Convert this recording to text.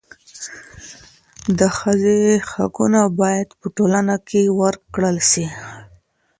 د ښځي حقونه باید په ټولنه کي ورکول سي.